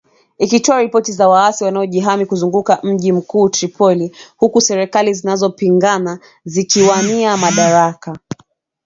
Ikitoa ripoti za waasi wanaojihami kuzunguka mji mkuu Tripoli ,huku serikali zinazopingana zikiwania madaraka